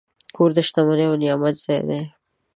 کور د شتمنۍ او نعمت ځای دی.